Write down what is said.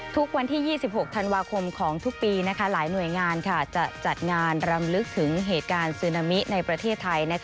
ทุกวันที่๒๖ธันวาคมของทุกปีหลายหน่วยงานจะจัดงานรำลึกถึงเหตุการณ์ซึนามิในประเทศไทย